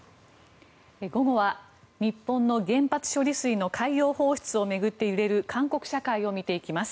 午後は日本の原発処理水の海洋放出を巡って揺れる韓国社会を見ていきます。